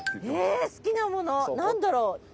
え好きなものなんだろう？